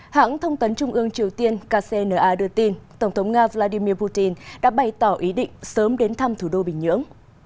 hãng thông tấn trung ương triều tiên kcna đưa tin tổng thống nga vladimir putin đã bày tỏ ý định sớm đến thăm thủ đô bình nhưỡng